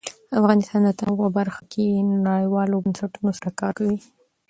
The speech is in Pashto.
افغانستان د تنوع په برخه کې نړیوالو بنسټونو سره کار کوي.